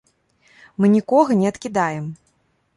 Мы нікога не адкідаем.